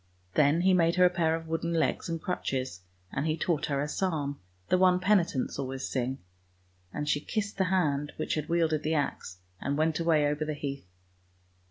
Then he made her a pair of wooden legs and crutches, and he taught her a psalm, the one penitents always sing; and she kissed the hand which had wielded the axe, and went away over the heath.